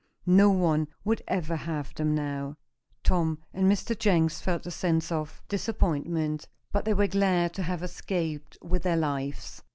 No one would ever have them now. Tom and Mr. Jenks felt a sense of disappointment, but they were glad to have escaped with their lives.